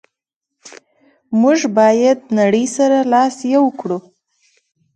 موږ باید نړی سره لاس یو کړو.